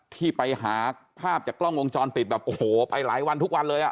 ที่ไปหาภาพจากกล้องวงจรปิดแบบโอ้โหไปหลายวันทุกวันเลยอ่ะ